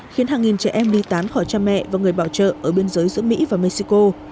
khiến hàng nghìn trẻ em đi tán khỏi cha mẹ và người bảo trợ ở biên giới giữa mỹ và mexico